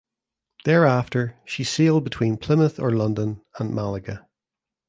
Thereafter she sailed between Plymouth or London and Malaga.